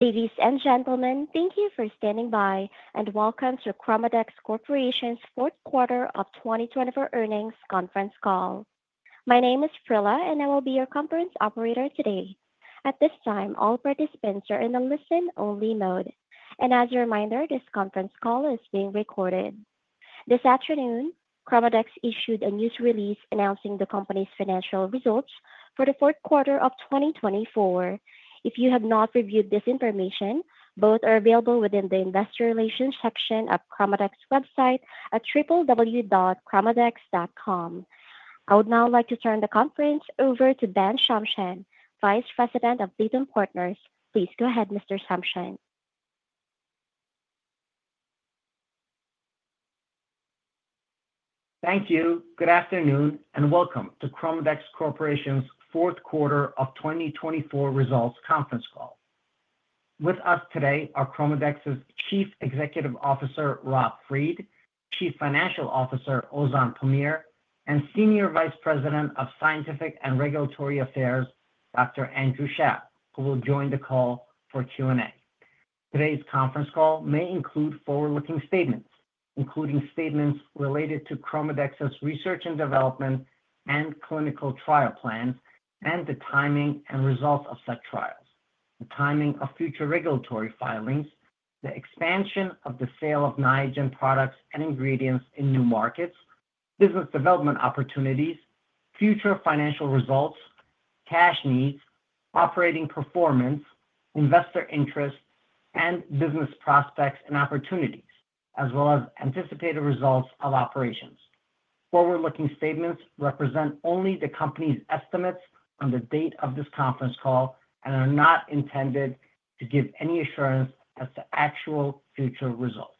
Ladies and gentlemen, thank you for standing by and welcome to ChromaDex Corp's Fourth Quarter of 2024 Earnings Conference Call. My name is Prilla, and I will be your conference operator today. At this time, all participants are in the listen-only mode. As a reminder, this conference call is being recorded. This afternoon, ChromaDex issued a news release announcing the company's financial results for the fourth quarter of 2024. If you have not reviewed this information, both are available within the Investor Relations section of ChromaDex's website at www.chromadex.com. I would now like to turn the conference over to Ben Shamsian, Vice President of Lytham Partners. Please go ahead, Mr. Shamsian. Thank you. Good afternoon and welcome to ChromaDex Corp's Fourth Quarter of 2024 Results Conference Call. With us today are ChromaDex's Chief Executive Officer, Rob Fried; Chief Financial Officer, Ozan Pamir; and Senior Vice President of Scientific and Regulatory Affairs, Dr. Andrew Shao, who will join the call for Q&A. Today's conference call may include forward-looking statements, including statements related to ChromaDex's research and development and clinical trial plans, and the timing and results of such trials, the timing of future regulatory filings, the expansion of the sale of Niagen products and ingredients in new markets, business development opportunities, future financial results, cash needs, operating performance, investor interest, and business prospects and opportunities, as well as anticipated results of operations. Forward-looking statements represent only the company's estimates on the date of this conference call and are not intended to give any assurance as to actual future results.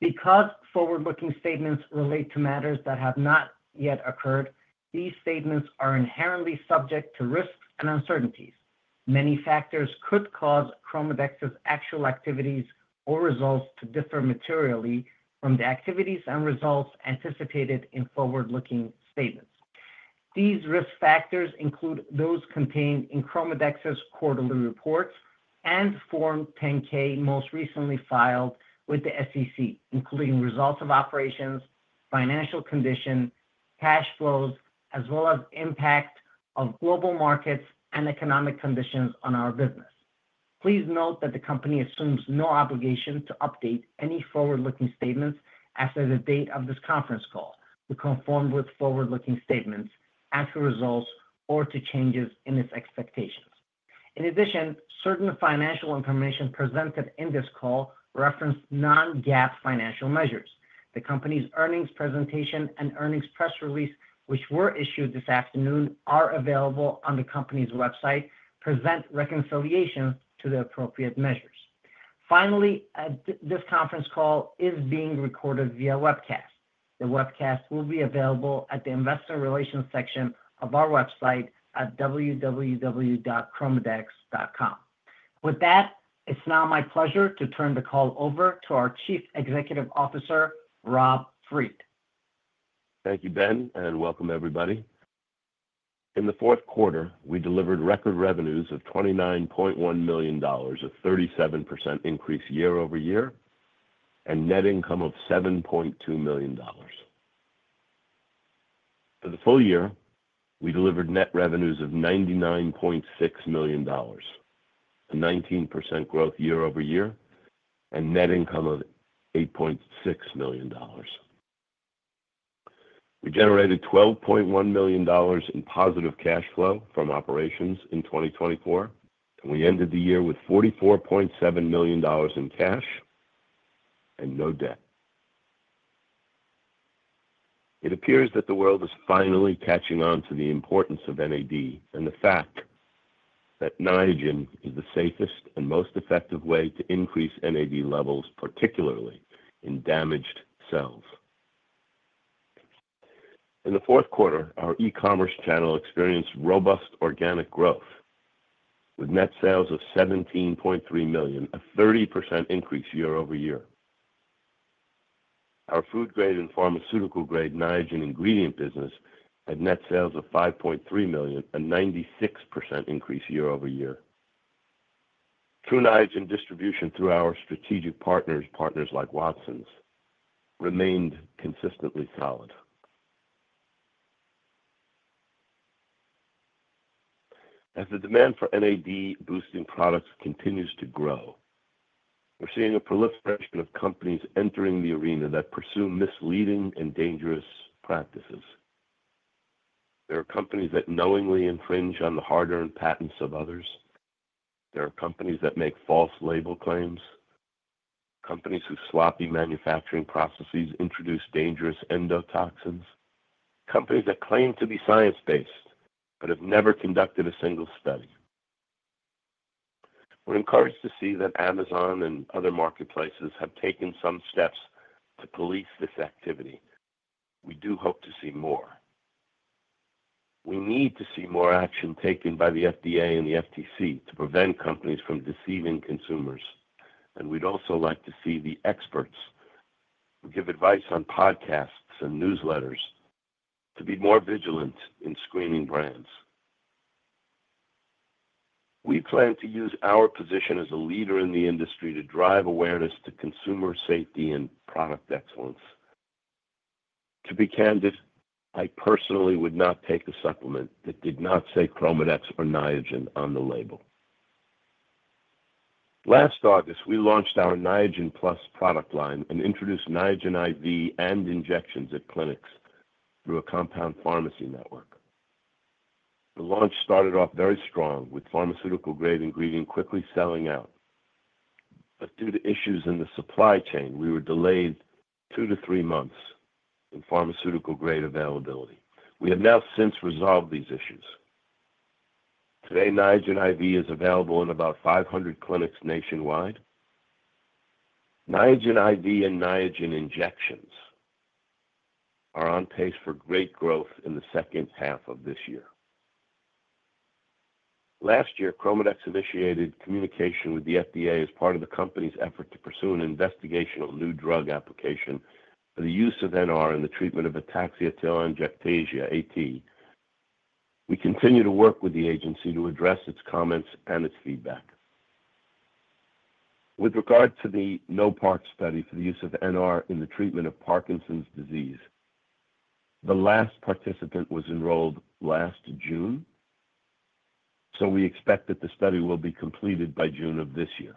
Because forward-looking statements relate to matters that have not yet occurred, these statements are inherently subject to risks and uncertainties. Many factors could cause ChromaDex's actual activities or results to differ materially from the activities and results anticipated in forward-looking statements. These risk factors include those contained in ChromaDex's quarterly reports and Form 10-K most recently filed with the SEC, including results of operations, financial condition, cash flows, as well as impact of global markets and economic conditions on our business. Please note that the company assumes no obligation to update any forward-looking statements after the date of this conference call to conform with forward-looking statements, actual results, or to changes in its expectations. In addition, certain financial information presented in this call references non-GAAP financial measures. The company's earnings presentation and earnings press release, which were issued this afternoon, are available on the company's website, present reconciliation to the appropriate measures. Finally, this conference call is being recorded via webcast. The webcast will be available at the investor relations section of our website at www.chromadex.com. With that, it's now my pleasure to turn the call over to our Chief Executive Officer, Rob Fried. Thank you, Ben, and welcome, everybody. In the fourth quarter, we delivered record revenues of $29.1 million, a 37% increase year-over-year, and net income of $7.2 million. For the full year, we delivered net revenues of $99.6 million, a 19% growth year-over-year, and net income of $8.6 million. We generated $12.1 million in positive cash flow from operations in 2024, and we ended the year with $44.7 million in cash and no debt. It appears that the world is finally catching on to the importance of NAD and the fact that Niagen is the safest and most effective way to increase NAD levels, particularly in damaged cells. In the fourth quarter, our e-commerce channel experienced robust organic growth with net sales of $17.3 million, a 30% increase year-over-year. Our food-grade and pharmaceutical-grade Niagen ingredient business had net sales of $5.3 million, a 96% increase year-over-year. Tru Niagen distribution through our strategic partners, partners like Watsons, remained consistently solid. As the demand for NAD-boosting products continues to grow, we're seeing a proliferation of companies entering the arena that pursue misleading and dangerous practices. There are companies that knowingly infringe on the hard-earned patents of others. There are companies that make false label claims, companies whose sloppy manufacturing processes introduce dangerous endotoxins, companies that claim to be science-based but have never conducted a single study. We're encouraged to see that Amazon and other marketplaces have taken some steps to police this activity. We do hope to see more. We need to see more action taken by the FDA and the FTC to prevent companies from deceiving consumers. We'd also like to see the experts who give advice on podcasts and newsletters to be more vigilant in screening brands. We plan to use our position as a leader in the industry to drive awareness to consumer safety and product excellence. To be candid, I personally would not take a supplement that did not say ChromaDex or Niagen on the label. Last August, we launched our Niagen+ product line and introduced Niagen IV and injections at clinics through a compound pharmacy network. The launch started off very strong, with pharmaceutical-grade ingredients quickly selling out. Due to issues in the supply chain, we were delayed two to three months in pharmaceutical-grade availability. We have now since resolved these issues. Today, Niagen IV is available in about 500 clinics nationwide. Niagen IV and Niagen injections are on pace for great growth in the second half of this year. Last year, ChromaDex initiated communication with the FDA as part of the company's effort to pursue an Investigational New Drug application for the use of NR in the treatment of ataxia-telangiectasia (AT). We continue to work with the agency to address its comments and its feedback. With regard to the NOPARK study for the use of NR in the treatment of Parkinson's disease, the last participant was enrolled last June, so we expect that the study will be completed by June of this year.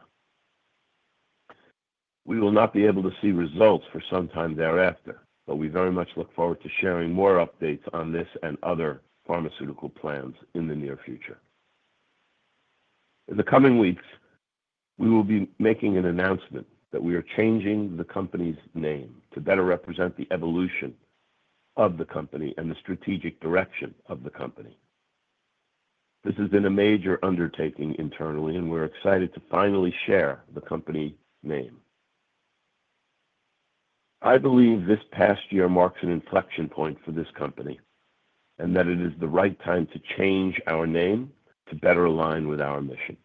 We will not be able to see results for some time thereafter, but we very much look forward to sharing more updates on this and other pharmaceutical plans in the near future. In the coming weeks, we will be making an announcement that we are changing the company's name to better represent the evolution of the company and the strategic direction of the company. This has been a major undertaking internally, and we're excited to finally share the company name. I believe this past year marks an inflection point for this company and that it is the right time to change our name to better align with our mission.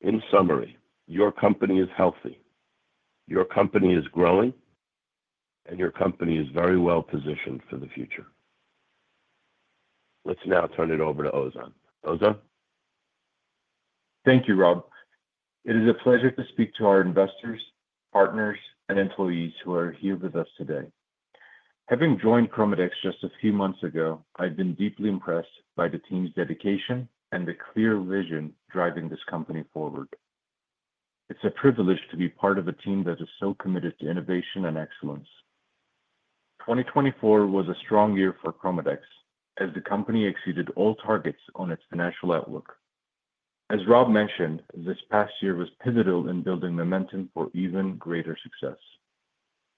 In summary, your company is healthy, your company is growing, and your company is very well positioned for the future. Let's now turn it over to Ozan. Ozan? Thank you, Rob. It is a pleasure to speak to our investors, partners, and employees who are here with us today. Having joined ChromaDex just a few months ago, I've been deeply impressed by the team's dedication and the clear vision driving this company forward. It's a privilege to be part of a team that is so committed to innovation and excellence. 2024 was a strong year for ChromaDex as the company exceeded all targets on its financial outlook. As Rob mentioned, this past year was pivotal in building momentum for even greater success.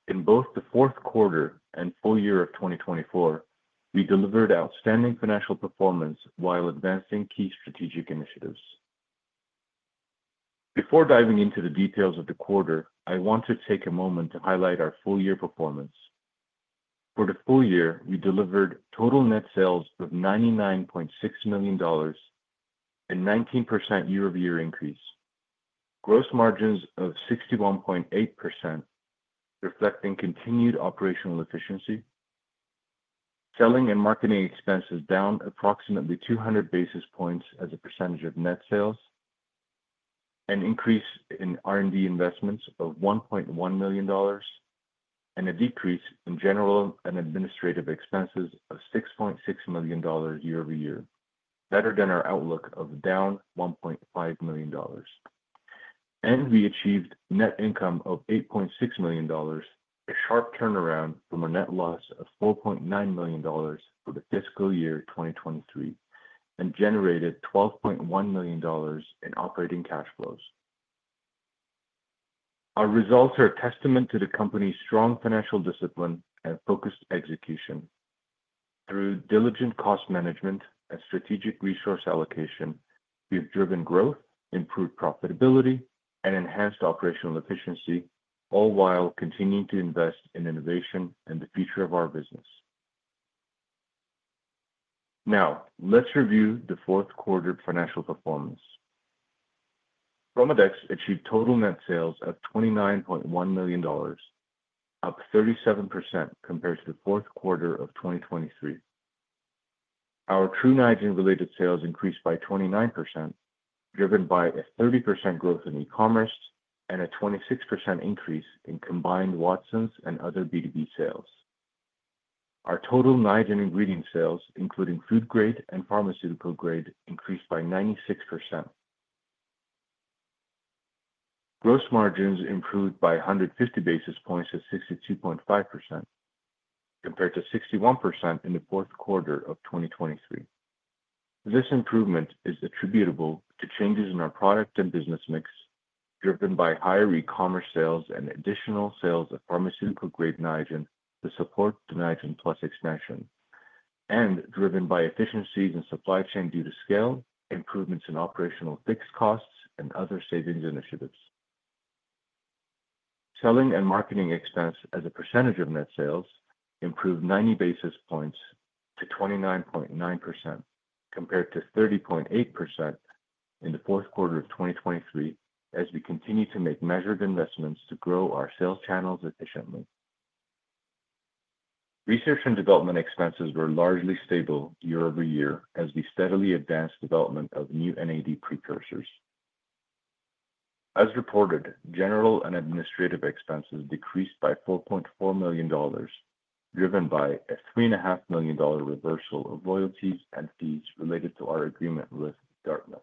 In both the fourth quarter and full year of 2024, we delivered outstanding financial performance while advancing key strategic initiatives. Before diving into the details of the quarter, I want to take a moment to highlight our full-year performance. For the full year, we delivered total net sales of $99.6 million and a 19% year-over-year increase, gross margins of 61.8%, reflecting continued operational efficiency, selling and marketing expenses down approximately 200 basis points as a percentage of net sales, an increase in R&D investments of $1.1 million, and a decrease in general and administrative expenses of $6.6 million year-over-year, better than our outlook of down $1.5 million. We achieved net income of $8.6 million, a sharp turnaround from a net loss of $4.9 million for the fiscal year 2023, and generated $12.1 million in operating cash flows. Our results are a testament to the company's strong financial discipline and focused execution. Through diligent cost management and strategic resource allocation, we have driven growth, improved profitability, and enhanced operational efficiency, all while continuing to invest in innovation and the future of our business. Now, let's review the fourth quarter financial performance. ChromaDex achieved total net sales of $29.1 million, up 37% compared to the fourth quarter of 2023. Our Tru Niagen-related sales increased by 29%, driven by a 30% growth in e-commerce and a 26% increase in combined Watsons and other B2B sales. Our total Niagen ingredient sales, including food-grade and pharmaceutical-grade, increased by 96%. Gross margins improved by 150 basis points to 62.5%, compared to 61% in the fourth quarter of 2023. This improvement is attributable to changes in our product and business mix, driven by higher e-commerce sales and additional sales of pharmaceutical-grade Niagen to support the Niagen+ expansion, and driven by efficiencies in supply chain due to scale, improvements in operational fixed costs, and other savings initiatives. Selling and marketing expense as a percentage of net sales improved 90 basis points to 29.9%, compared to 30.8% in the fourth quarter of 2023, as we continue to make measured investments to grow our sales channels efficiently. Research and development expenses were largely stable year-over-year as we steadily advanced development of new NAD precursors. As reported, general and administrative expenses decreased by $4.4 million, driven by a $3.5 million reversal of royalties and fees related to our agreement with Dartmouth.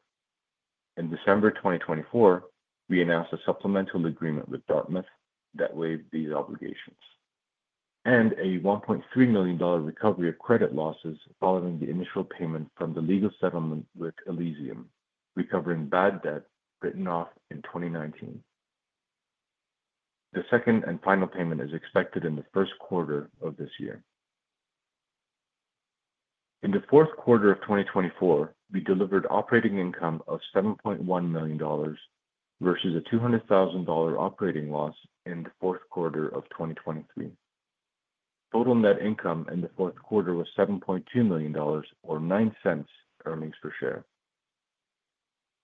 In December 2024, we announced a supplemental agreement with Dartmouth that waived these obligations and a $1.3 million recovery of credit losses following the initial payment from the legal settlement with Elysium, recovering bad debt written off in 2019. The second and final payment is expected in the first quarter of this year. In the fourth quarter of 2024, we delivered operating income of $7.1 million versus a $200,000 operating loss in the fourth quarter of 2023. Total net income in the fourth quarter was $7.2 million, or $0.09 earnings per share,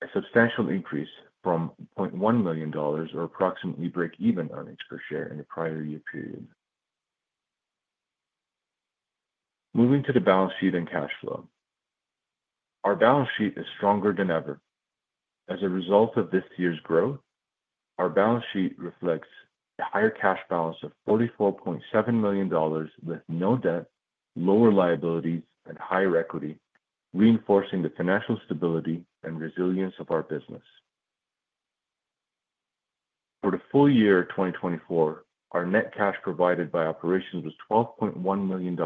a substantial increase from $0.1 million, or approximately break-even earnings per share in the prior year period. Moving to the balance sheet and cash flow. Our balance sheet is stronger than ever. As a result of this year's growth, our balance sheet reflects a higher cash balance of $44.7 million with no debt, lower liabilities, and higher equity, reinforcing the financial stability and resilience of our business. For the full year of 2024, our net cash provided by operations was $12.1 million,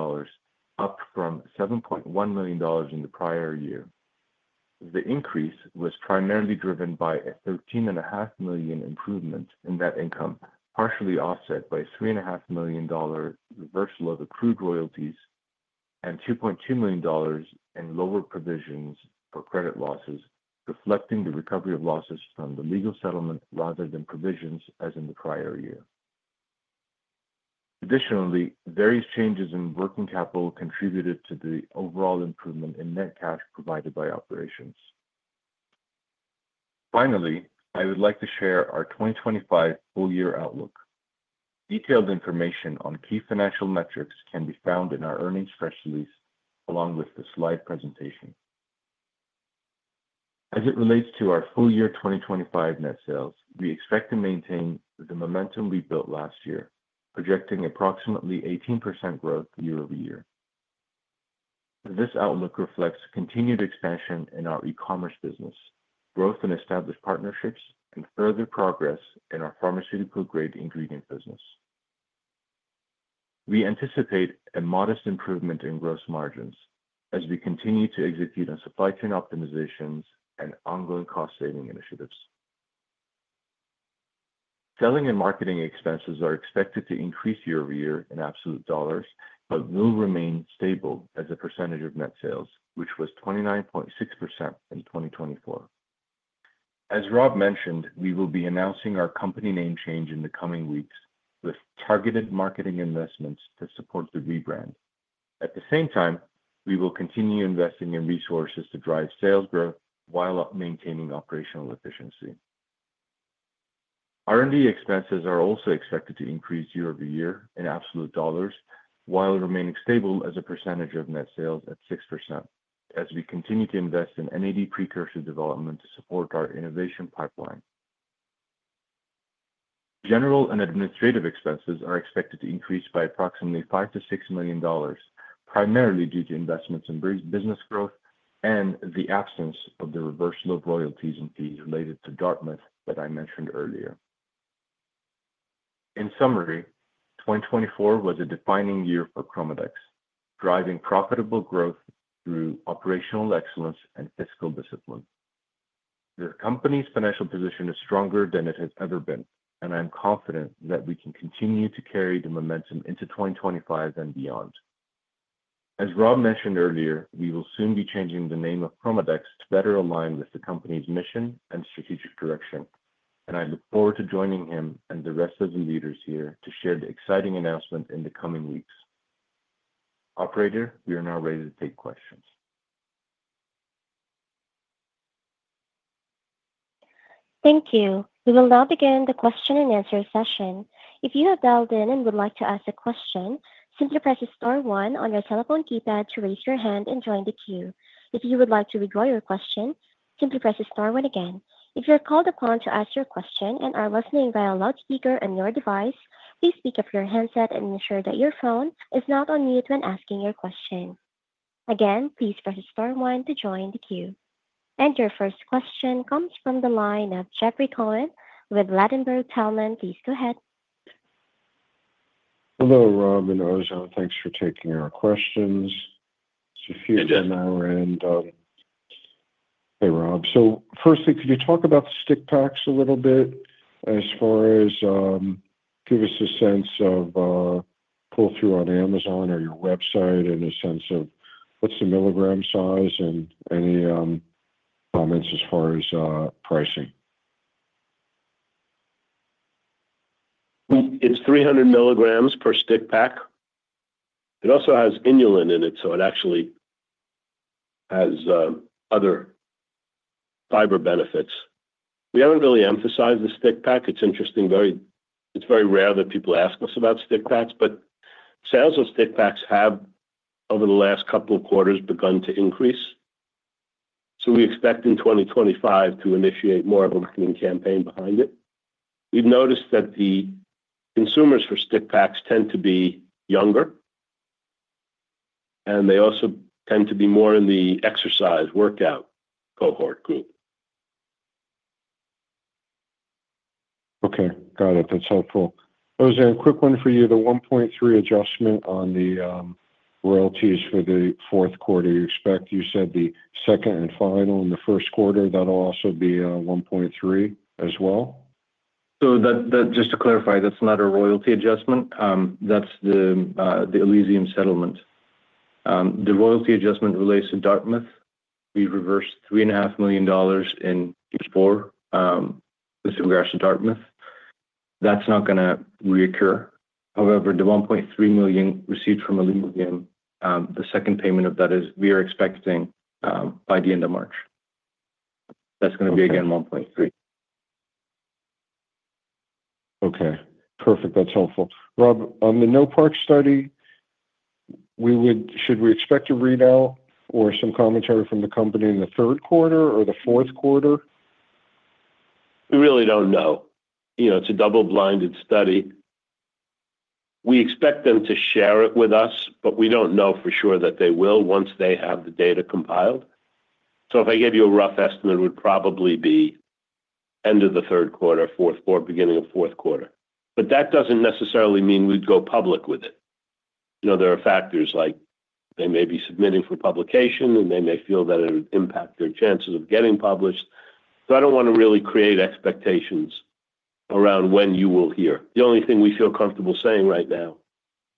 up from $7.1 million in the prior year. The increase was primarily driven by a $13.5 million improvement in net income, partially offset by $3.5 million reversal of accrued royalties and $2.2 million in lower provisions for credit losses, reflecting the recovery of losses from the legal settlement rather than provisions, as in the prior year. Additionally, various changes in working capital contributed to the overall improvement in net cash provided by operations. Finally, I would like to share our 2025 full-year outlook. Detailed information on key financial metrics can be found in our earnings press release along with the slide presentation. As it relates to our full year 2025 net sales, we expect to maintain the momentum we built last year, projecting approximately 18% growth year-over-year. This outlook reflects continued expansion in our e-commerce business, growth in established partnerships, and further progress in our pharmaceutical-grade ingredient business. We anticipate a modest improvement in gross margins as we continue to execute on supply chain optimizations and ongoing cost-saving initiatives. Selling and marketing expenses are expected to increase year-over-year in absolute dollars but will remain stable as a percentage of net sales, which was 29.6% in 2024. As Rob mentioned, we will be announcing our company name change in the coming weeks with targeted marketing investments to support the rebrand. At the same time, we will continue investing in resources to drive sales growth while maintaining operational efficiency. R&D expenses are also expected to increase year-over-year in absolute dollars while remaining stable as a percentage of net sales at 6%, as we continue to invest in NAD precursor development to support our innovation pipeline. General and administrative expenses are expected to increase by approximately $5 million-$6 million, primarily due to investments in business growth and the absence of the reversal of royalties and fees related to Dartmouth that I mentioned earlier. In summary, 2024 was a defining year for ChromaDex, driving profitable growth through operational excellence and fiscal discipline. The company's financial position is stronger than it has ever been, and I'm confident that we can continue to carry the momentum into 2025 and beyond. As Rob mentioned earlier, we will soon be changing the name of ChromaDex to better align with the company's mission and strategic direction, and I look forward to joining him and the rest of the leaders here to share the exciting announcement in the coming weeks. Operator, we are now ready to take questions. Thank you. We will now begin the question-and-answer session. If you have dialed in and would like to ask a question, simply press star one on your telephone keypad to raise your hand and join the queue. If you would like to withdraw your question, simply press star one again. If you're called upon to ask your question and are listening via a loudspeaker on your device, please pick up your headset and ensure that your phone is not on mute when asking your question. Again, please press star one to join the queue. Your first question comes from the line of Jeffrey Cohen with Ladenburg Thalmann. Please go ahead. Hello, Rob and Ozan. Thanks for taking our questions. It's a few of them now. Hey, Rob. Firstly, could you talk about the stick packs a little bit as far as give us a sense of pull-through on Amazon or your website and a sense of what's the milligram size and any comments as far as pricing? It's 300 mg per stick pack. It also has inulin in it, so it actually has other fiber benefits. We haven't really emphasized the stick pack. It's interesting. It's very rare that people ask us about stick packs, but sales of stick packs have, over the last couple of quarters, begun to increase. We expect in 2025 to initiate more of a marketing campaign behind it. We've noticed that the consumers for stick packs tend to be younger, and they also tend to be more in the exercise workout cohort group. Okay. Got it. That's helpful. Ozan, quick one for you. The $1.3 million adjustment on the royalties for the fourth quarter, you expect you said the second and final in the first quarter, that'll also be $1.3 million as well? Just to clarify, that's not a royalty adjustment. That's the Elysium settlement. The royalty adjustment relates to Dartmouth. We reversed $3.5 million in Q4 with regards to Dartmouth. That's not going to reoccur. However, the $1.3 million received from Elysium, the second payment of that is we are expecting by the end of March. That's going to be, again, $1.3 million. Okay. Perfect. That's helpful. Rob, on the NOPARK study, should we expect a readout or some commentary from the company in the third quarter or the fourth quarter? We really don't know. It's a double-blinded study. We expect them to share it with us, but we don't know for sure that they will once they have the data compiled. If I gave you a rough estimate, it would probably be end of the third quarter, fourth quarter, beginning of fourth quarter. That doesn't necessarily mean we'd go public with it. There are factors like they may be submitting for publication, and they may feel that it would impact their chances of getting published. I don't want to really create expectations around when you will hear. The only thing we feel comfortable saying right now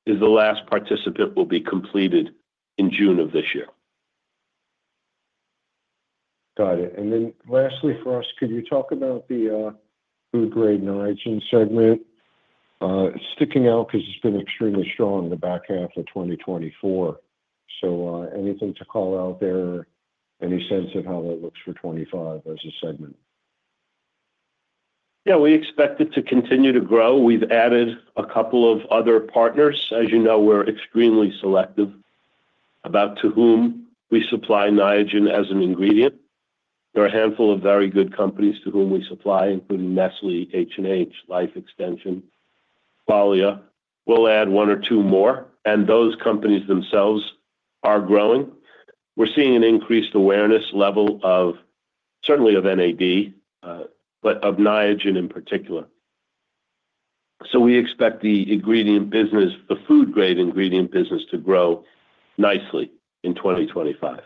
is the last participant will be completed in June of this year. Got it. Lastly, for us, could you talk about the food-grade Niagen segment? It's sticking out because it's been extremely strong in the back half of 2024. Anything to call out there? Any sense of how that looks for 2025 as a segment? Yeah. We expect it to continue to grow. We've added a couple of other partners. As you know, we're extremely selective about to whom we supply Niagen as an ingredient. There are a handful of very good companies to whom we supply, including Nestlé, H&H, Life Extension, Qualia. We'll add one or two more. Those companies themselves are growing. We're seeing an increased awareness level of certainly of NAD, but of Niagen in particular. We expect the ingredient business, the food-grade ingredient business, to grow nicely in 2025.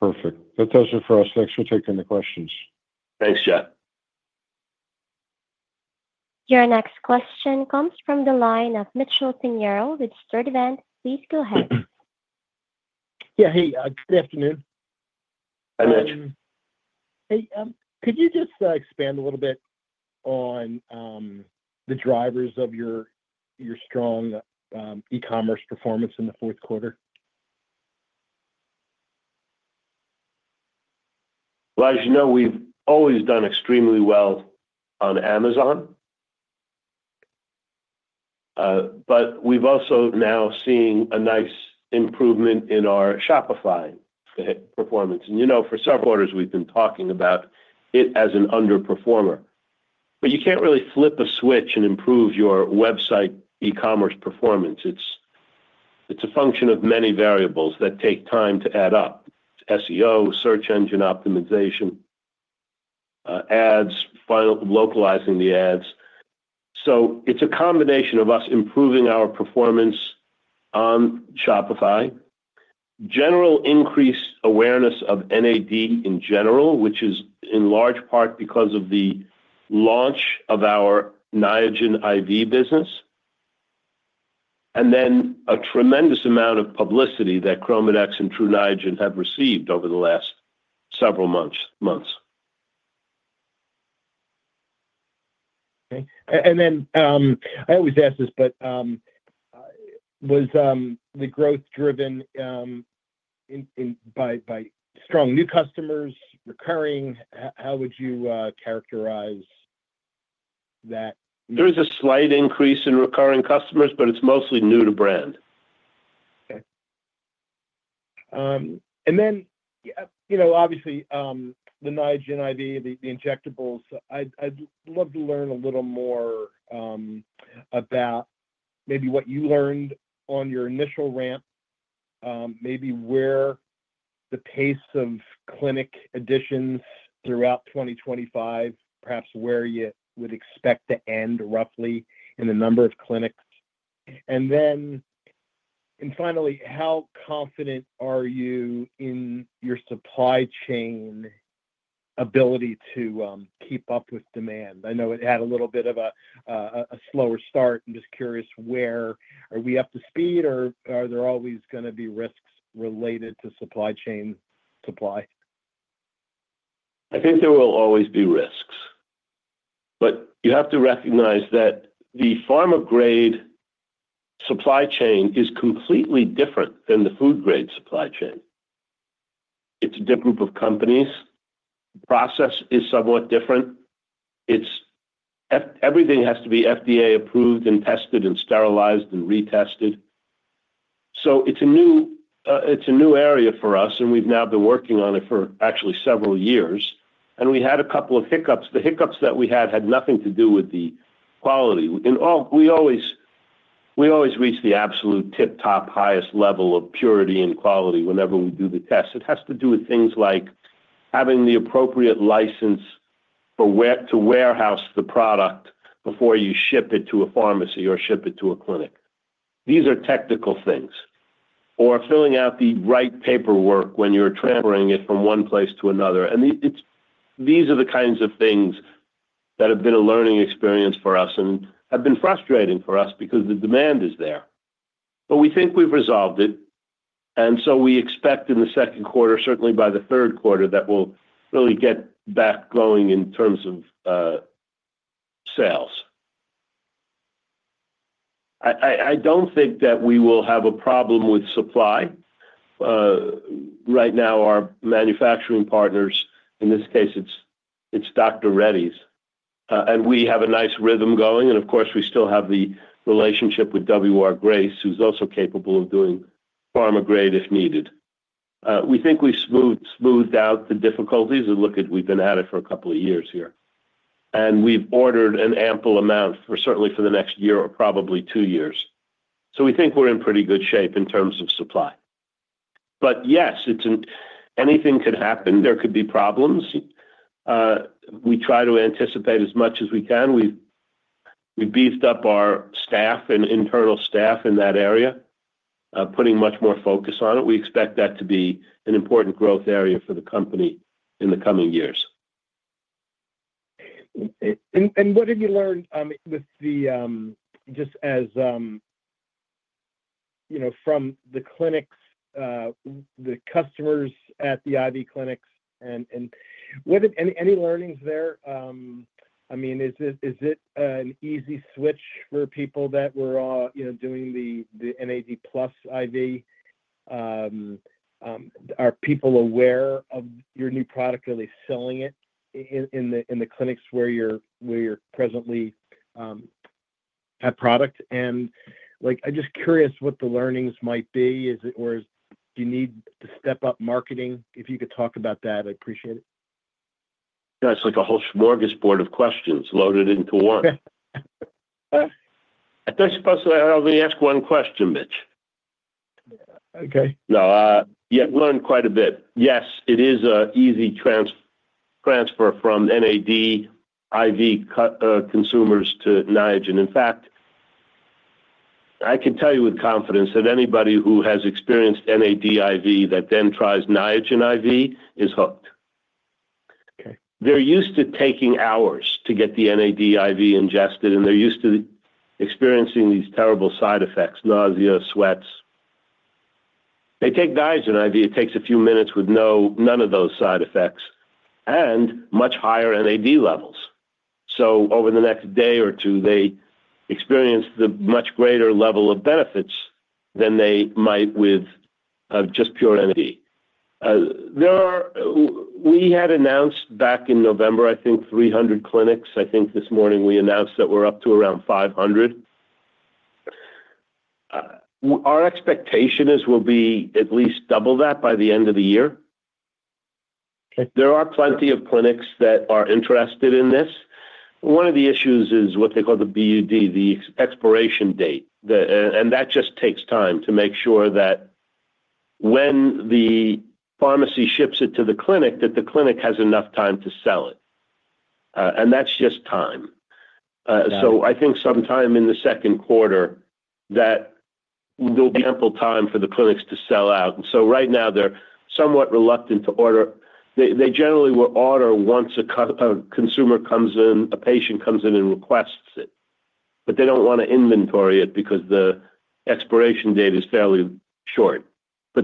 Perfect. That does it for us. Thanks for taking the questions. Thanks, Jeff. Your next question comes from the line of Mitchell Pinheiro with Sturdivant. Please go ahead. Yeah. Hey, good afternoon. Hi, Mitch. Hey. Could you just expand a little bit on the drivers of your strong e-commerce performance in the fourth quarter? As you know, we've always done extremely well on Amazon. We have also now seen a nice improvement in our Shopify performance. For several quarters, we've been talking about it as an underperformer. You can't really flip a switch and improve your website e-commerce performance. It's a function of many variables that take time to add up, SEO, search engine optimization, ads, localizing the ads. It's a combination of us improving our performance on Shopify, general increased awareness of NAD in general, which is in large part because of the launch of our Niagen IV business, and then a tremendous amount of publicity that ChromaDex and Tru Niagen have received over the last several months. Okay. I always ask this, but was the growth driven by strong new customers, recurring? How would you characterize that? There is a slight increase in recurring customers, but it's mostly new-to-brand. Okay. Obviously, the Niagen IV, the injectables, I'd love to learn a little more about maybe what you learned on your initial ramp, maybe where the pace of clinic additions throughout 2025, perhaps where you would expect to end roughly in the number of clinics. Finally, how confident are you in your supply chain ability to keep up with demand? I know it had a little bit of a slower start. I'm just curious where are we up to speed, or are there always going to be risks related to supply chain supply? I think there will always be risks. You have to recognize that the pharma-grade supply chain is completely different than the food-grade supply chain. It's a different group of companies. The process is somewhat different. Everything has to be FDA-approved and tested and sterilized and retested. It's a new area for us, and we've now been working on it for actually several years. We had a couple of hiccups. The hiccups that we had had nothing to do with the quality. We always reach the absolute tip-top highest level of purity and quality whenever we do the test. It has to do with things like having the appropriate license to warehouse the product before you ship it to a pharmacy or ship it to a clinic. These are technical things, or filling out the right paperwork when you're transferring it from one place to another. These are the kinds of things that have been a learning experience for us and have been frustrating for us because the demand is there. We think we've resolved it. We expect in the second quarter, certainly by the third quarter, that we'll really get back going in terms of sales. I don't think that we will have a problem with supply. Right now, our manufacturing partners, in this case, it's Dr. Reddy's. We have a nice rhythm going. Of course, we still have the relationship with W. R. Grace, who's also capable of doing pharma-grade if needed. We think we've smoothed out the difficulties. We've been at it for a couple of years here. We've ordered an ample amount certainly for the next year or probably two years. We think we're in pretty good shape in terms of supply. Yes, anything could happen. There could be problems. We try to anticipate as much as we can. We've beefed up our staff and internal staff in that area, putting much more focus on it. We expect that to be an important growth area for the company in the coming years. What have you learned just as from the clinics, the customers at the IV clinics? Any learnings there? I mean, is it an easy switch for people that were all doing the NAD+ IV? Are people aware of your new product, really selling it in the clinics where you're presently at product? I'm just curious what the learnings might be, or do you need to step up marketing? If you could talk about that, I'd appreciate it. That's like a whole smorgasbord of questions loaded into one. I'll ask one question, Mitch. Okay. No. You learned quite a bit. Yes, it is an easy transfer from NAD IV consumers to Niagen. In fact, I can tell you with confidence that anybody who has experienced NAD IV that then tries Niagen IV is hooked. They're used to taking hours to get the NAD IV ingested, and they're used to experiencing these terrible side effects, nausea, sweats. They take Niagen IV. It takes a few minutes with none of those side effects and much higher NAD levels. Over the next day or two, they experience the much greater level of benefits than they might with just pure NAD. We had announced back in November, I think, 300 clinics. I think this morning we announced that we're up to around 500. Our expectation is we'll be at least double that by the end of the year. There are plenty of clinics that are interested in this. One of the issues is what they call the BUD, the expiration date. That just takes time to make sure that when the pharmacy ships it to the clinic, the clinic has enough time to sell it. That is just time. I think sometime in the second quarter, there will be ample time for the clinics to sell out. Right now, they are somewhat reluctant to order. They generally will order once a consumer comes in, a patient comes in and requests it. They do not want to inventory it because the expiration date is fairly short.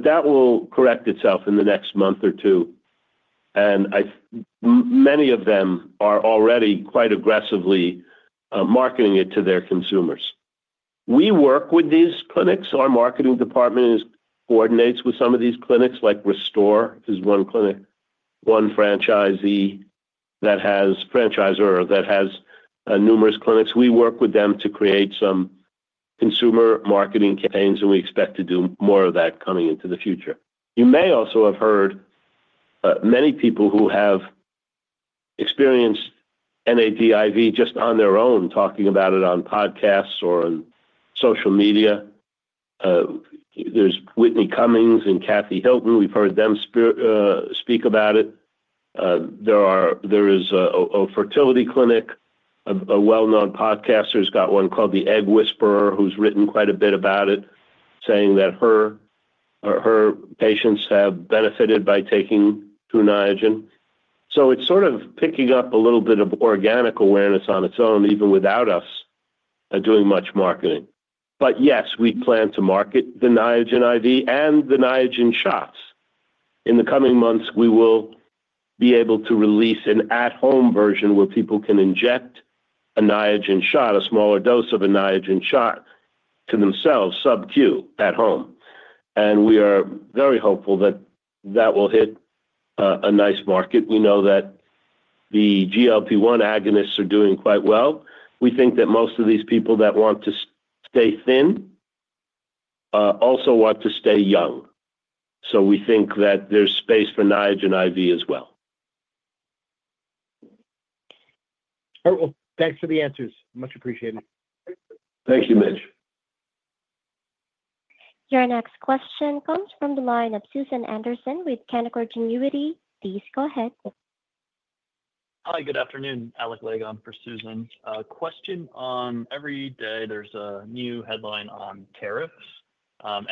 That will correct itself in the next month or two. Many of them are already quite aggressively marketing it to their consumers. We work with these clinics. Our marketing department coordinates with some of these clinics. Restore is one clinic, one franchisee that has numerous clinics. We work with them to create some consumer marketing campaigns, and we expect to do more of that coming into the future. You may also have heard many people who have experienced NAD IV just on their own talking about it on podcasts or on social media. There's Whitney Cummings and Kathy Hilton. We've heard them speak about it. There is a fertility clinic. A well-known podcaster has got one called The Egg Whisperer, who's written quite a bit about it, saying that her patients have benefited by taking Tru Niagen. It is sort of picking up a little bit of organic awareness on its own, even without us doing much marketing. Yes, we plan to market the Niagen IV and the Niagen shots. In the coming months, we will be able to release an at-home version where people can inject a Niagen shot, a smaller dose of a Niagen shot to themselves, sub-Q at home. We are very hopeful that that will hit a nice market. We know that the GLP-1 agonists are doing quite well. We think that most of these people that want to stay thin also want to stay young. We think that there is space for Niagen IV as well. All right. Thanks for the answers. Much appreciated. Thank you, Mitch. Your next question comes from the line of Susan Anderson with Canaccord Genuity. Please go ahead. Hi. Good afternoon. Alec Legg on for Susan. Question on every day, there's a new headline on tariffs.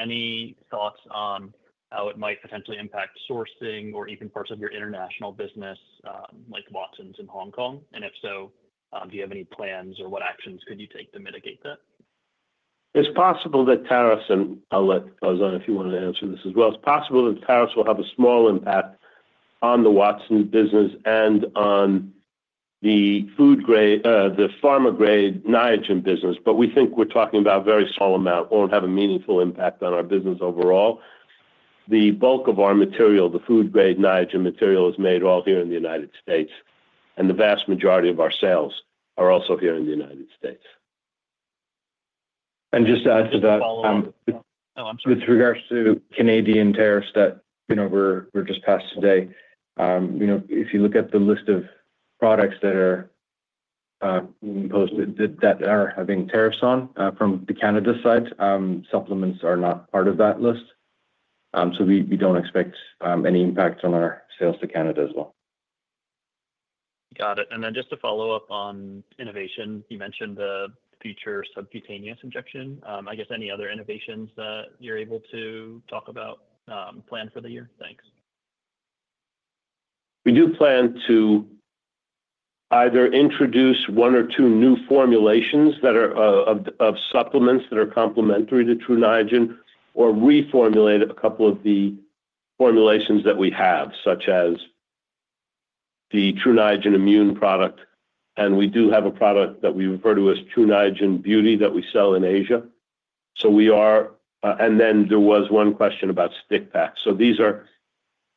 Any thoughts on how it might potentially impact sourcing or even parts of your international business, like Watsons in Hong Kong? If so, do you have any plans or what actions could you take to mitigate that? It's possible that tariffs will have a small impact on the Watsons business and on the pharma-grade Niagen business. We think we're talking about a very small amount, won't have a meaningful impact on our business overall. The bulk of our material, the food-grade Niagen material, is made all here in the United States. The vast majority of our sales are also here in the United States. Just to add to that. Oh, I'm sorry. With regards to Canadian tariffs that were just passed today, if you look at the list of products that are being posted that are having tariffs on from the Canada side, supplements are not part of that list. We do not expect any impact on our sales to Canada as well. Got it. Just to follow up on innovation, you mentioned the future subcutaneous injection. I guess any other innovations that you're able to talk about planned for the year? Thanks. We do plan to either introduce one or two new formulations of supplements that are complementary to Tru Niagen or reformulate a couple of the formulations that we have, such as the Tru Niagen Immune product. We do have a product that we refer to as Tru Niagen Beauty that we sell in Asia. There was one question about stick packs. These are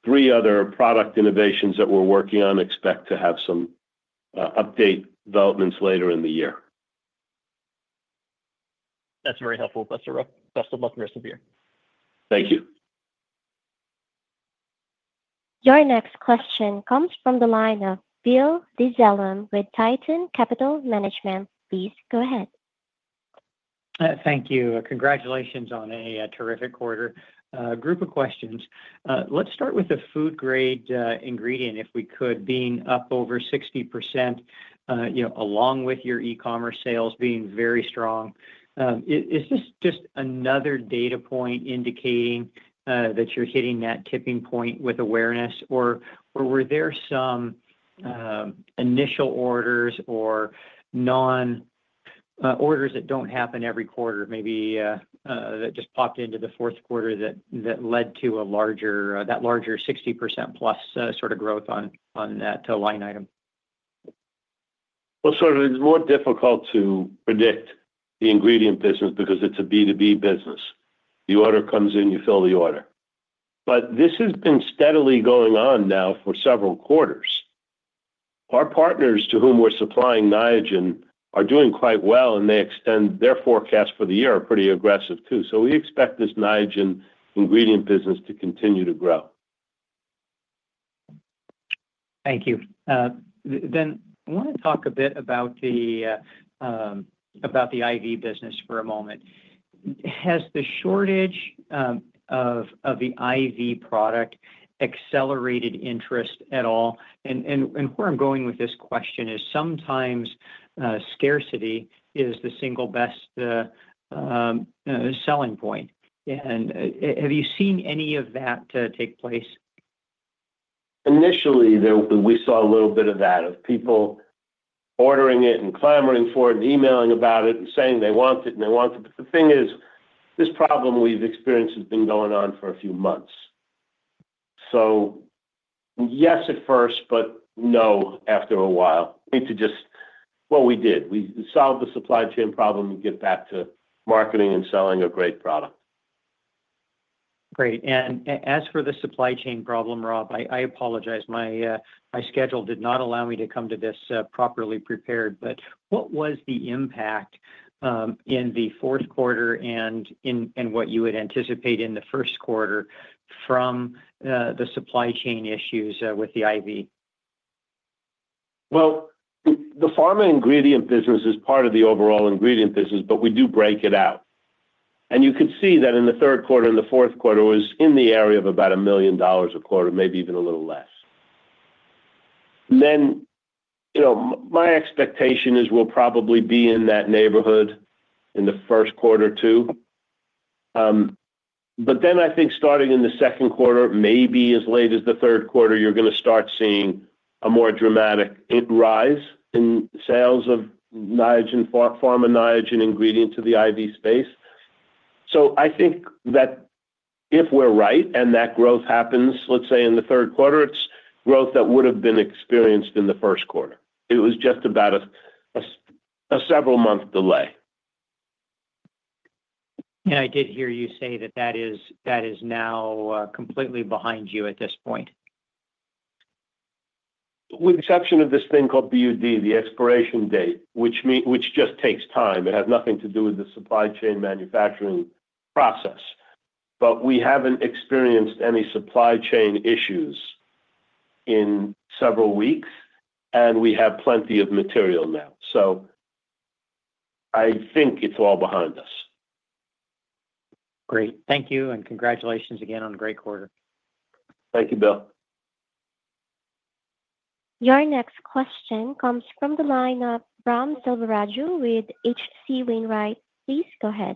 three other product innovations that we're working on, expect to have some update developments later in the year. That's very helpful. Best of luck and rest of the year. Thank you. Your next question comes from the line of Bill Dezellem with Tieton Capital Management. Please go ahead. Thank you. Congratulations on a terrific quarter. Group of questions. Let's start with the food-grade ingredient, if we could, being up over 60%, along with your e-commerce sales being very strong. Is this just another data point indicating that you're hitting that tipping point with awareness? Or were there some initial orders or orders that do not happen every quarter, maybe that just popped into the fourth quarter that led to that larger 60%+ sort of growth on that line item? It is more difficult to predict the ingredient business because it's a B2B business. The order comes in, you fill the order. This has been steadily going on now for several quarters. Our partners to whom we're supplying Niagen are doing quite well, and they extend their forecast for the year pretty aggressively too. We expect this Niagen ingredient business to continue to grow. Thank you. I want to talk a bit about the IV business for a moment. Has the shortage of the IV product accelerated interest at all? Where I'm going with this question is sometimes scarcity is the single best selling point. Have you seen any of that take place? Initially, we saw a little bit of that, of people ordering it and clamoring for it and emailing about it and saying they want it and they want it. The thing is, this problem we've experienced has been going on for a few months. Yes at first, but no after a while. We need to just do what we did. We solved the supply chain problem and get back to marketing and selling a great product. Great. As for the supply chain problem, Rob, I apologize. My schedule did not allow me to come to this properly prepared. What was the impact in the fourth quarter and what would you anticipate in the first quarter from the supply chain issues with the IV? The pharma ingredient business is part of the overall ingredient business, but we do break it out. You could see that in the third quarter and the fourth quarter it was in the area of about $1 million a quarter, maybe even a little less. My expectation is we'll probably be in that neighborhood in the first quarter too. I think starting in the second quarter, maybe as late as the third quarter, you're going to start seeing a more dramatic rise in sales of pharma Niagen ingredient to the IV space. I think that if we're right and that growth happens, let's say in the third quarter, it's growth that would have been experienced in the first quarter. It was just about a several-month delay. I did hear you say that that is now completely behind you at this point. With the exception of this thing called BUD, the expiration date, which just takes time. It has nothing to do with the supply chain manufacturing process. We have not experienced any supply chain issues in several weeks, and we have plenty of material now. I think it is all behind us. Great. Thank you. Congratulations again on a great quarter. Thank you, Bill. Your next question comes from the line of Ram Selvaraju with H.C. Wainwright. Please go ahead.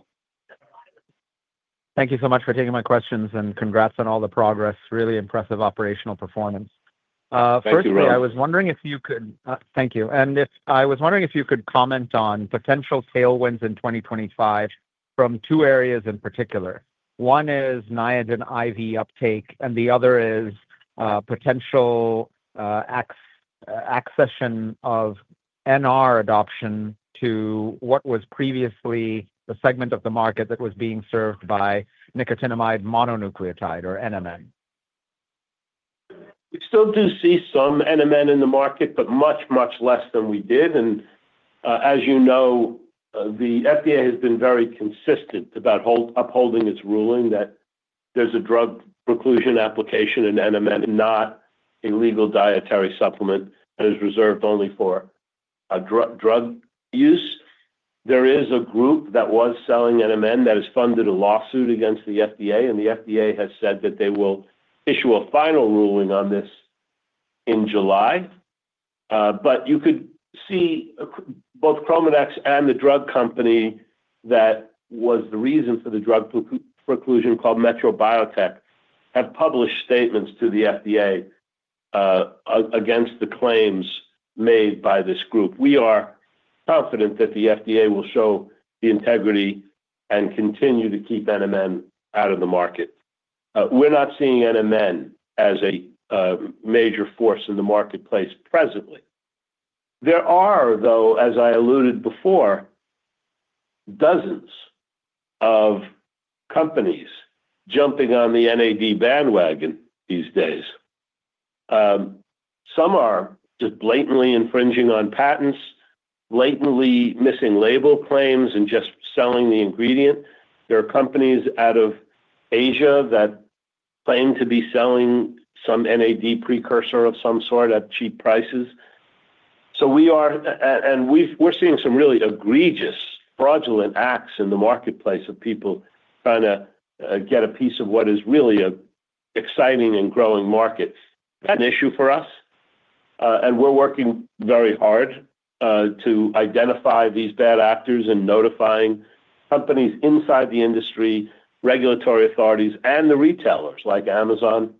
Thank you so much for taking my questions and congrats on all the progress. Really impressive operational performance. Thank you, Ram. Firstly, I was wondering if you could thank you. I was wondering if you could comment on potential tailwinds in 2025 from two areas in particular. One is Niagen IV uptake, and the other is potential accession of NR adoption to what was previously the segment of the market that was being served by nicotinamide mononucleotide or NMN. We still do see some NMN in the market, but much, much less than we did. And as you know, the FDA has been very consistent about upholding its ruling that there's a drug preclusion application in NMN and not a legal dietary supplement that is reserved only for drug use. There is a group that was selling NMN that has funded a lawsuit against the FDA. The FDA has said that they will issue a final ruling on this in July. You could see both ChromaDex and the drug company that was the reason for the drug preclusion called Metro Biotech have published statements to the FDA against the claims made by this group. We are confident that the FDA will show the integrity and continue to keep NMN out of the market. We're not seeing NMN as a major force in the marketplace presently. There are, though, as I alluded before, dozens of companies jumping on the NAD bandwagon these days. Some are just blatantly infringing on patents, blatantly missing label claims, and just selling the ingredient. There are companies out of Asia that claim to be selling some NAD precursor of some sort at cheap prices. We're seeing some really egregious, fraudulent acts in the marketplace of people trying to get a piece of what is really an exciting and growing market. That's an issue for us. We're working very hard to identify these bad actors and notifying companies inside the industry, regulatory authorities, and the retailers like Amazon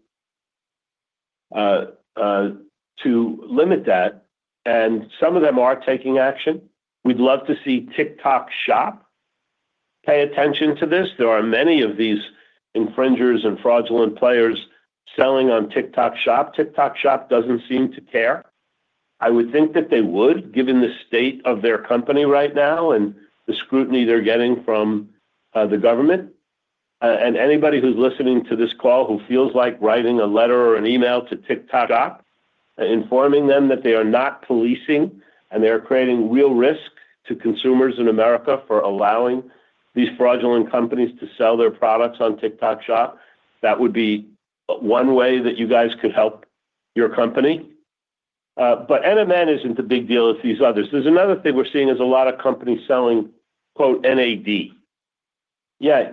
to limit that. Some of them are taking action. We'd love to see TikTok Shop pay attention to this. There are many of these infringers and fraudulent players selling on TikTok Shop. TikTok Shop doesn't seem to care. I would think that they would, given the state of their company right now and the scrutiny they're getting from the government. Anybody who's listening to this call who feels like writing a letter or an email to TikTok Shop informing them that they are not policing and they are creating real risk to consumers in America for allowing these fraudulent companies to sell their products on TikTok Shop, that would be one way that you guys could help your company. NMN isn't the big deal as these others. There's another thing we're seeing is a lot of companies selling "NAD." Yeah.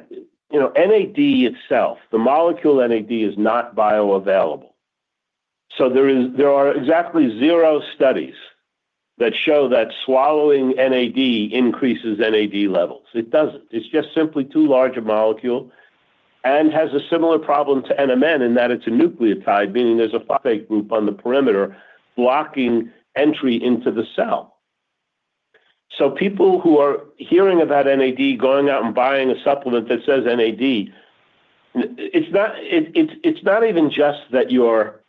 NAD itself, the molecule NAD is not bioavailable. There are exactly zero studies that show that swallowing NAD increases NAD levels. It doesn't. It's just simply too large a molecule and has a similar problem to NMN in that it's a nucleotide, meaning there's a phosphate group on the perimeter blocking entry into the cell. So people who are hearing about NAD going out and buying a supplement that says NAD, it's not even just that you're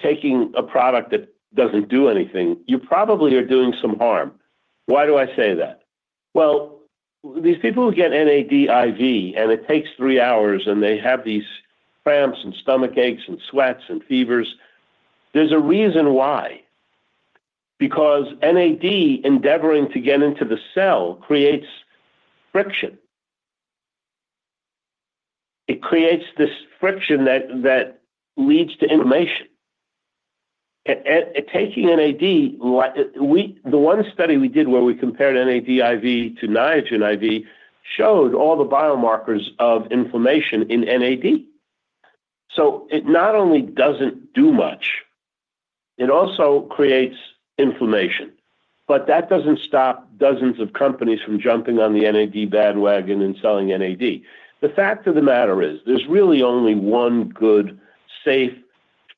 taking a product that doesn't do anything. You probably are doing some harm. Why do I say that? These people who get NAD IV and it takes three hours and they have these cramps and stomach aches and sweats and fevers, there's a reason why. Because NAD endeavoring to get into the cell creates friction. It creates this friction that leads to inflammation. Taking NAD, the one study we did where we compared NAD IV to Niagen IV showed all the biomarkers of inflammation in NAD. It not only doesn't do much, it also creates inflammation. That doesn't stop dozens of companies from jumping on the NAD bandwagon and selling NAD. The fact of the matter is there's really only one good, safe,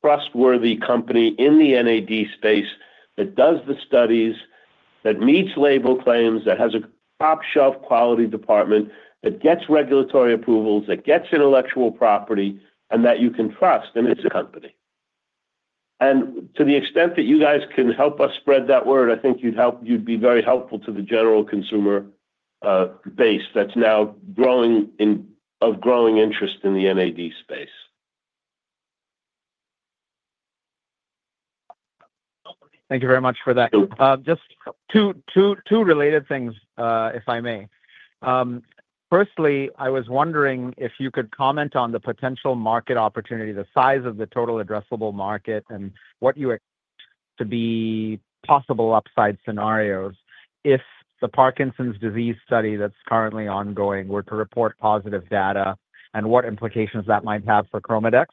trustworthy company in the NAD space that does the studies, that meets label claims, that has a top-shelf quality department, that gets regulatory approvals, that gets intellectual property, that you can trust, and it's a company. To the extent that you guys can help us spread that word, I think you'd be very helpful to the general consumer base that's now of growing interest in the NAD space. Thank you very much for that. Just two related things, if I may. Firstly, I was wondering if you could comment on the potential market opportunity, the size of the total addressable market, and what you expect to be possible upside scenarios if the Parkinson's disease study that's currently ongoing were to report positive data and what implications that might have for ChromaDex.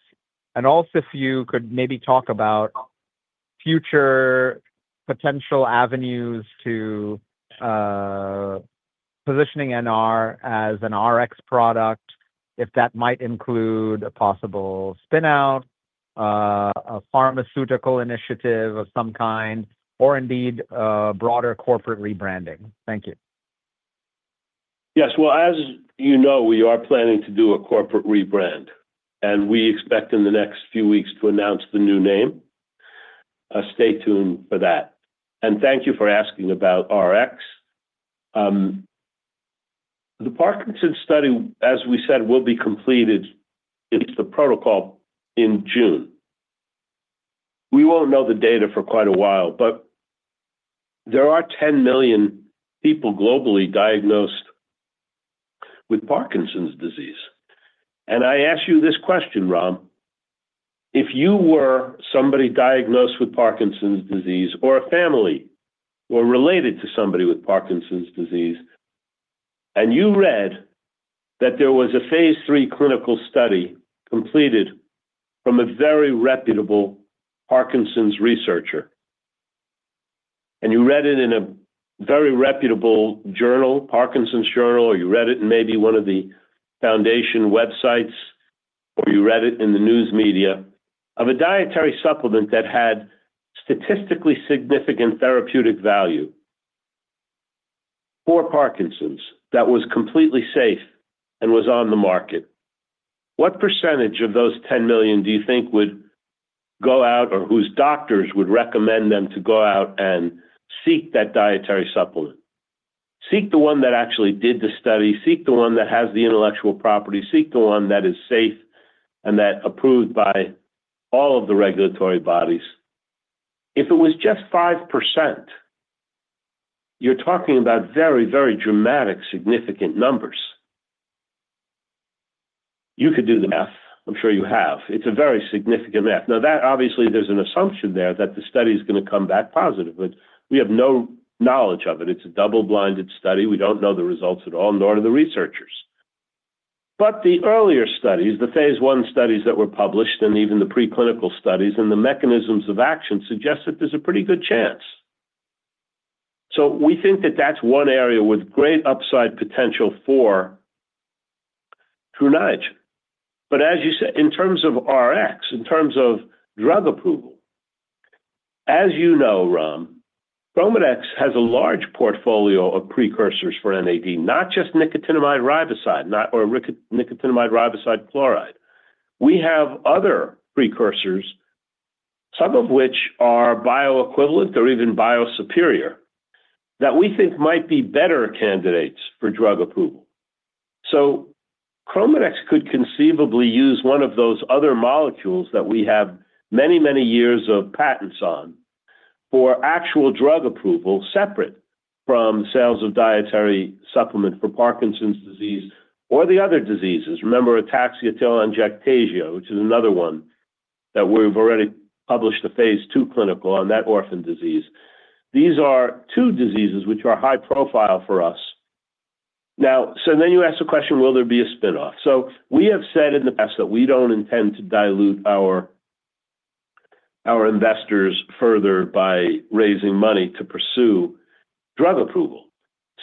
Also, if you could maybe talk about future potential avenues to positioning NR as an RX product, if that might include a possible spinout, a pharmaceutical initiative of some kind, or indeed a broader corporate rebranding. Thank you. Yes. As you know, we are planning to do a corporate rebrand. We expect in the next few weeks to announce the new name. Stay tuned for that. Thank you for asking about RX. The Parkinson's study, as we said, will be completed if the protocol in June. We won't know the data for quite a while, but there are 10 million people globally diagnosed with Parkinson's disease. I ask you this question, Rob. If you were somebody diagnosed with Parkinson's disease or a family were related to somebody with Parkinson's disease and you read that there was a phase III clinical study completed from a very reputable Parkinson's researcher, and you read it in a very reputable journal, Parkinson's Journal, or you read it in maybe one of the foundation websites, or you read it in the news media of a dietary supplement that had statistically significant therapeutic value for Parkinson's that was completely safe and was on the market, what percentage of those 10 million do you think would go out or whose doctors would recommend them to go out and seek that dietary supplement? Seek the one that actually did the study. Seek the one that has the intellectual property. Seek the one that is safe and that approved by all of the regulatory bodies. If it was just 5%, you're talking about very, very dramatic significant numbers. You could do the math. I'm sure you have. It's a very significant math. Now, obviously, there's an assumption there that the study is going to come back positive, but we have no knowledge of it. It's a double-blinded study. We don't know the results at all, nor do the researchers. The earlier studies, the phase I studies that were published and even the preclinical studies and the mechanisms of action suggest that there's a pretty good chance. We think that that's one area with great upside potential for Tru Niagen. As you said, in terms of RX, in terms of drug approval, as you know, Ram, ChromaDex has a large portfolio of precursors for NAD, not just nicotinamide riboside or nicotinamide riboside chloride. We have other precursors, some of which are bioequivalent or even biosuperior that we think might be better candidates for drug approval. ChromaDex could conceivably use one of those other molecules that we have many, many years of patents on for actual drug approval separate from sales of dietary supplement for Parkinson's disease or the other diseases. Remember ataxia telangiectasia, which is another one that we've already published a phase II clinical on that orphan disease. These are two diseases which are high profile for us. Now, you ask the question, will there be a spinoff? We have said in the past that we don't intend to dilute our investors further by raising money to pursue drug approval.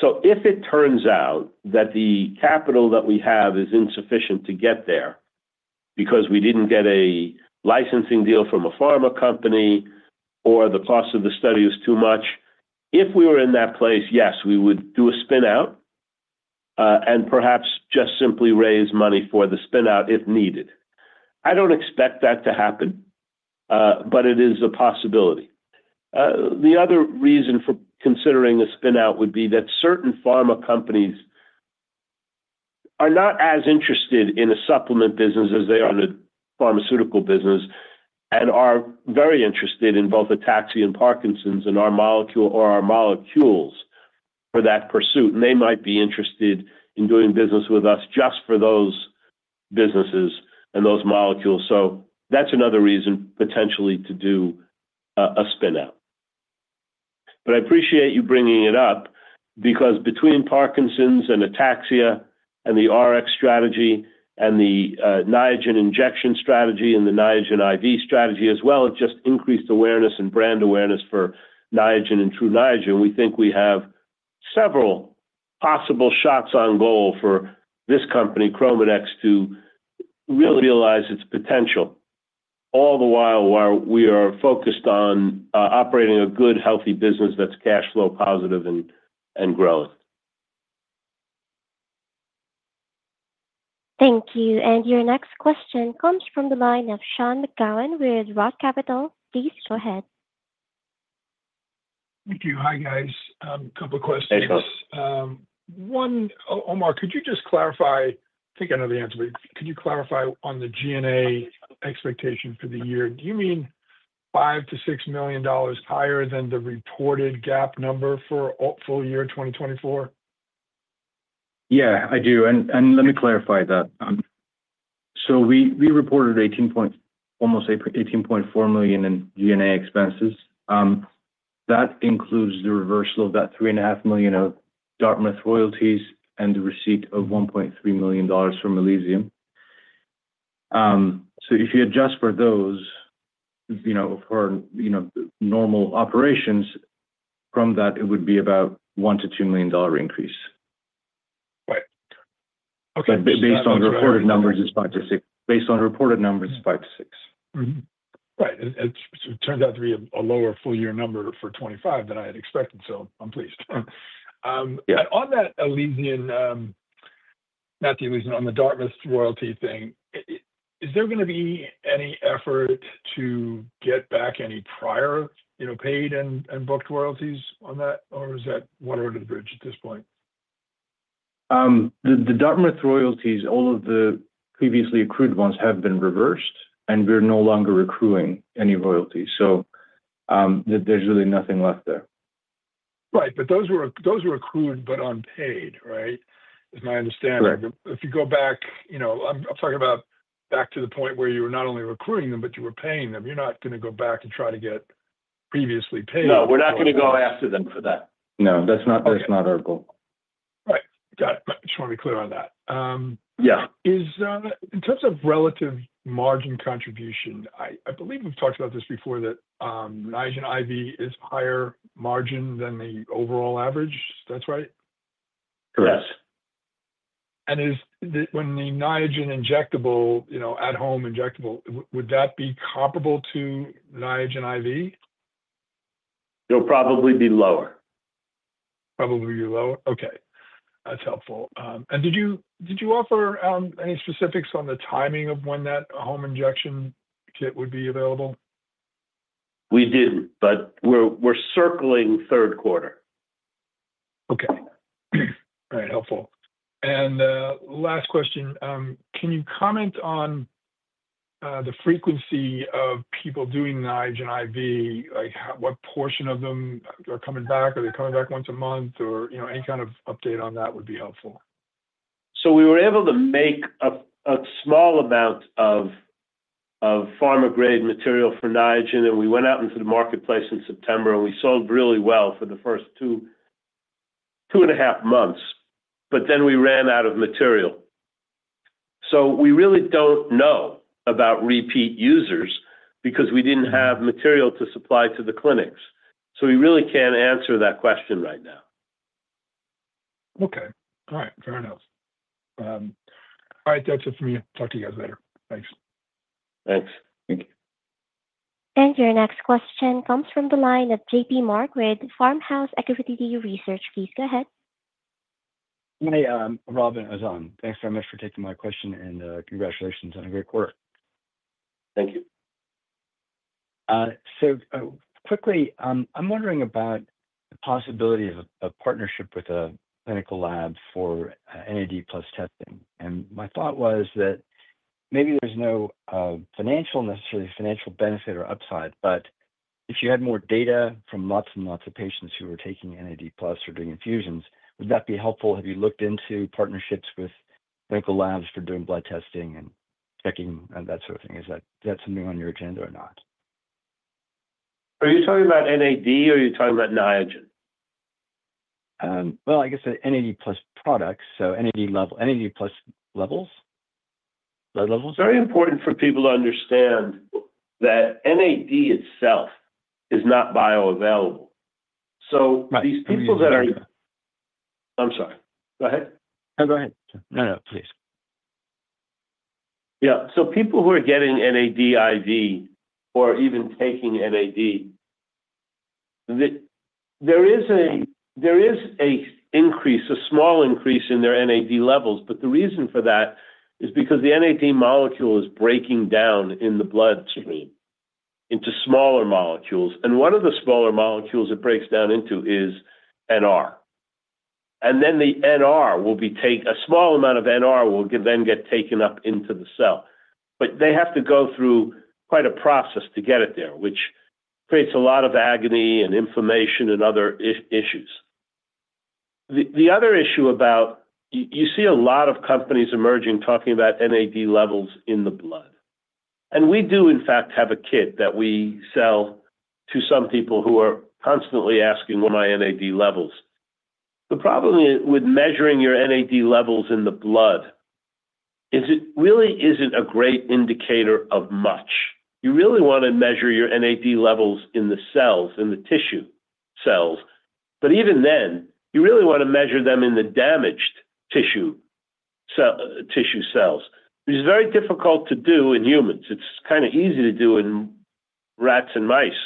If it turns out that the capital that we have is insufficient to get there because we didn't get a licensing deal from a pharma company or the cost of the study was too much, if we were in that place, yes, we would do a spinout and perhaps just simply raise money for the spinout if needed. I don't expect that to happen, but it is a possibility. The other reason for considering a spinout would be that certain pharma companies are not as interested in a supplement business as they are in the pharmaceutical business and are very interested in both ataxia and Parkinson's and our molecule or our molecules for that pursuit. They might be interested in doing business with us just for those businesses and those molecules. That is another reason potentially to do a spinout. I appreciate you bringing it up because between Parkinson's and ataxia and the RX strategy and the Niagen injection strategy and the Niagen IV strategy as well as just increased awareness and brand awareness for Niagen and Tru Niagen, we think we have several possible shots on goal for this company, ChromaDex, to really realize its potential all the while while we are focused on operating a good, healthy business that's cash flow positive and growing. Thank you. Your next question comes from the line of Sean McGowan with Roth Capital. Please go ahead. Thank you. Hi, guys. A couple of questions Hey, Sean. Ozan, could you just clarify? I think I know the answer, but could you clarify on the G&A expectation for the year? Do you mean $5 million-$6 million higher than the reported GAAP number for full year 2024? Yeah, I do. Let me clarify that. We reported almost $18.4 million in G&A expenses. That includes the reversal of that $3.5 million of Dartmouth royalties and the receipt of $1.3 million from Elysium. If you adjust for those, for normal operations, from that, it would be about $1 million-$2 million increase. Right. Okay. Based on reported numbers, it's five to six. Right. It turns out to be a lower full year number for 2025 than I had expected, so I'm pleased. On that Elysium, not the Elysium, on the Dartmouth royalty thing, is there going to be any effort to get back any prior paid and booked royalties on that, or is that water under the bridge at this point? The Dartmouth royalties, all of the previously accrued ones have been reversed, and we're no longer accruing any royalties. There's really nothing left there. Right. But those were accrued, but unpaid, right? It's my understanding. If you go back, I'm talking about back to the point where you were not only accruing them, but you were paying them. You're not going to go back and try to get previously paid. No, we're not going to go after them for that. No, that's not our goal. Right. Got it. I just want to be clear on that. In terms of relative margin contribution, I believe we've talked about this before, that Niagen IV is higher margin than the overall average. Is that right? Correct. When the Niagen injectable, at-home injectable, would that be comparable to Niagen IV? It'll probably be lower. Probably be lower? Okay. That's helpful. Did you offer any specifics on the timing of when that home injection kit would be available? We didn't, but we're circling third quarter. Okay. All right. Helpful. Last question. Can you comment on the frequency of people doing Niagen IV? What portion of them are coming back? Are they coming back once a month? Any kind of update on that would be helpful. We were able to make a small amount of pharma-grade material for Niagen, and we went out into the marketplace in September, and we sold really well for the first two and a half months. Then we ran out of material. We really do not know about repeat users because we did not have material to supply to the clinics. We really cannot answer that question right now. Okay. All right. Fair enough. All right. That's it for me. Talk to you guys later. Thanks. Thanks. Thank you. Your next question comes from the line of J.P. Mark with Farmhouse Equity Research. Please go ahead. Hi, Rob and Ozan. Thanks very much for taking my question and congratulations on a great quarter. Thank you. Quickly, I'm wondering about the possibility of a partnership with a clinical lab for NAD+ testing. My thought was that maybe there's no necessarily financial benefit or upside, but if you had more data from lots and lots of patients who were taking NAD+ or doing infusions, would that be helpful? Have you looked into partnerships with clinical labs for doing blood testing and checking that sort of thing? Is that something on your agenda or not? Are you talking about NAD or are you talking about Niagen? I guess NAD+ products, so NAD+ levels. It's very important for people to understand that NAD itself is not bioavailable. These people that are—I'm sorry. Go ahead. No, go ahead. No, no, please. Yeah. People who are getting NAD IV or even taking NAD, there is an increase, a small increase in their NAD levels. The reason for that is because the NAD molecule is breaking down in the bloodstream into smaller molecules. One of the smaller molecules it breaks down into is NR. The NR will be taken—a small amount of NR will then get taken up into the cell. They have to go through quite a process to get it there, which creates a lot of agony and inflammation and other issues. The other issue about—you see a lot of companies emerging talking about NAD levels in the blood. We do, in fact, have a kit that we sell to some people who are constantly asking, "What are my NAD levels?" The problem with measuring your NAD levels in the blood is it really isn't a great indicator of much. You really want to measure your NAD levels in the cells, in the tissue cells. Even then, you really want to measure them in the damaged tissue cells, which is very difficult to do in humans. It's kind of easy to do in rats and mice.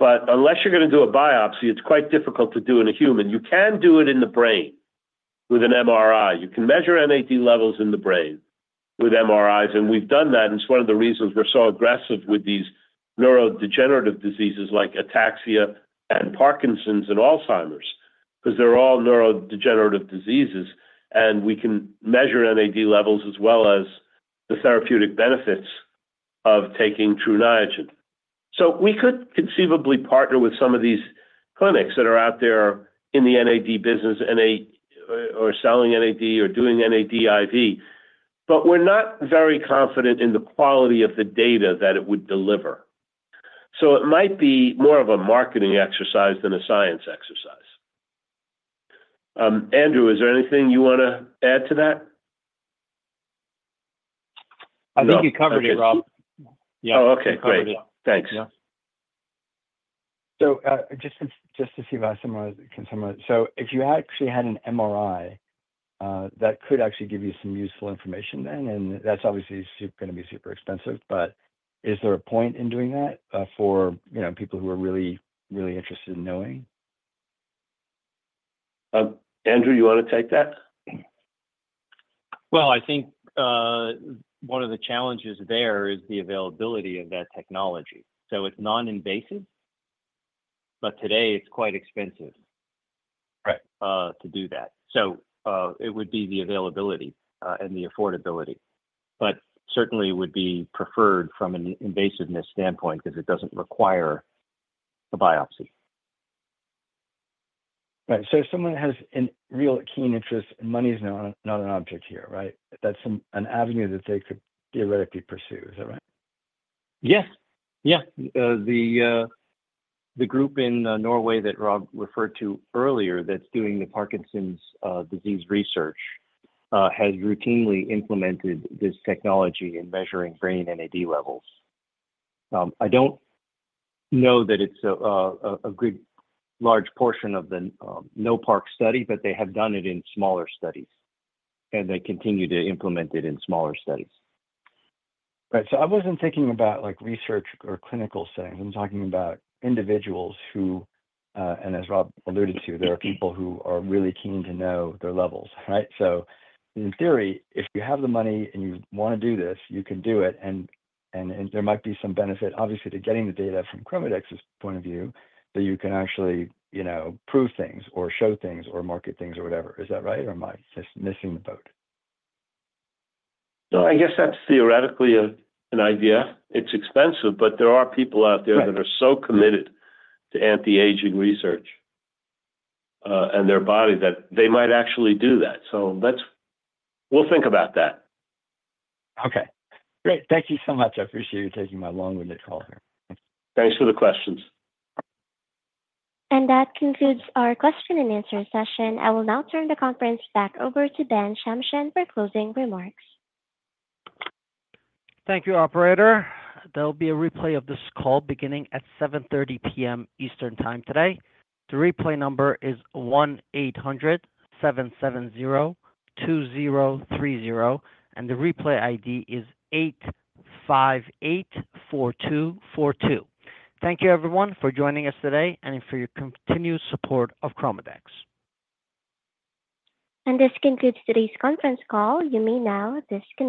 Unless you're going to do a biopsy, it's quite difficult to do in a human. You can do it in the brain with an MRI. You can measure NAD levels in the brain with MRIs. We've done that. It is one of the reasons we are so aggressive with these neurodegenerative diseases like ataxia and Parkinson's and Alzheimer's because they are all neurodegenerative diseases. We can measure NAD levels as well as the therapeutic benefits of taking Tru Niagen. We could conceivably partner with some of these clinics that are out there in the NAD business or selling NAD or doing NAD IV, but we are not very confident in the quality of the data that it would deliver. It might be more of a marketing exercise than a science exercise. Andrew, is there anything you want to add to that? I think you covered it, Rob. Oh, okay. Great. Thanks. Just to see if I can summarize. If you actually had an MRI, that could actually give you some useful information then. That is obviously going to be super expensive. Is there a point in doing that for people who are really, really interested in knowing? Andrew, you want to take that? I think one of the challenges there is the availability of that technology. It is non-invasive, but today it is quite expensive to do that. It would be the availability and the affordability. Certainly, it would be preferred from an invasiveness standpoint because it does not require a biopsy. Right. If someone has a real keen interest, money is not an object here, right? That is an avenue that they could theoretically pursue. Is that right? Yes. Yeah. The group in Norway that Rob referred to earlier that's doing the Parkinson's disease research has routinely implemented this technology in measuring brain NAD levels. I don't know that it's a good large portion of the NOPARK study, but they have done it in smaller studies. They continue to implement it in smaller studies. Right. I was not thinking about research or clinical settings. I am talking about individuals who, and as Rob alluded to, there are people who are really keen to know their levels, right? In theory, if you have the money and you want to do this, you can do it. There might be some benefit, obviously, to getting the data from ChromaDex's point of view, that you can actually prove things or show things or market things or whatever. Is that right, or am I just missing the boat? No, I guess that is theoretically an idea. It is expensive, but there are people out there that are so committed to anti-aging research and their body that they might actually do that. We will think about that. Okay. Great. Thank you so much. I appreciate you taking my long-winded call here. Thanks for the questions. That concludes our question and answer session. I will now turn the conference back over to Ben Shamsian for closing remarks. Thank you, operator. There will be a replay of this call beginning at 7:30 P.M. Eastern Time today. The replay number is 1-800-770-2030, and the replay ID is 858-42-42. Thank you, everyone, for joining us today and for your continued support of ChromaDex. This concludes today's conference call. You may now disconnect.